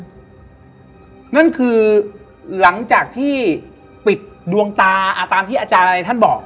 นั่นคือหลังจากที่ปิดดวงตาตามที่อาจารย์อะไรท่านบอก